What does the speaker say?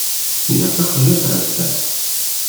Ger taqejjiṛt ar zdat!